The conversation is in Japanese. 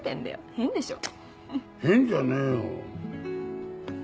変じゃねえよ。